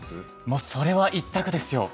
もうそれは一択ですよ。